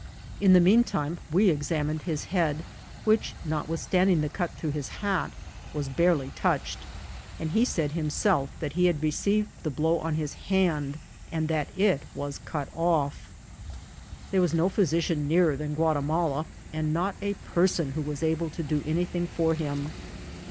In the mean time we examined his head, which, notwithstanding the cut through his hat, was barely touched ; and he said himself that he had received the blow on his hand, and that it ^as cut off. There was no jAysician nearer than Guatimala, and not a person who was able to do anything for him.